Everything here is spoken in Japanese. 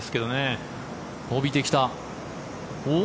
伸びてきた。